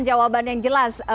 jawaban yang jelas